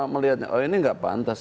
melihatnya oh ini tidak pantas